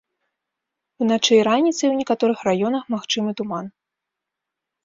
Уначы і раніцай у некаторых раёнах магчымы туман.